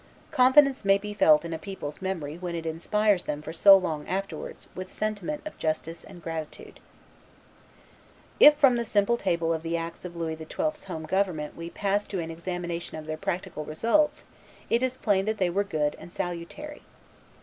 Confidence may be felt in a people's memory when it inspires them for so long afterwards with sentiment of justice and gratitude. If from the simple table of the acts of Louis XII.'s home government we pass to an examination of their practical results it is plain that they were good and salutary.